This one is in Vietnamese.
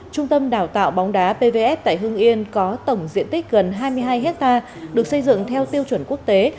trung tâm đào tạo bóng đá pvf tại hưng yên có tổng diện tích gần hai mươi hai hectare được xây dựng theo tiêu chuẩn quốc tế